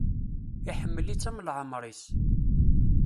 Iḥemmel-itt am leɛmer-is.